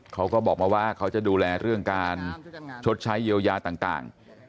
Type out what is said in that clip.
เขาก็บอกมาว่าเขาจะดูแลเรื่องการชดใช้เยียวยาต่าง